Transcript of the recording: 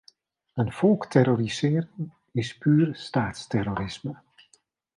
Een volk terroriseren is puur staatsterrorisme.